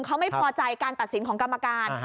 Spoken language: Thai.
เขาไม่พอใจการตัดสินของกรรมการ